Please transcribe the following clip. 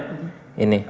iya betul betul iya ini